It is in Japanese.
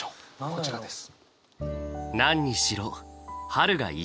こちらです。